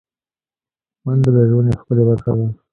منډه د ژوند یوه ښکلی برخه ده